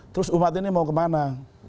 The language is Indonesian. terus umat ini mau kemana